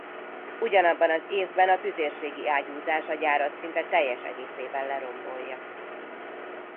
Ugyanabban az évben a tüzérségi ágyúzás a gyárat szinte teljes egészében lerombolja.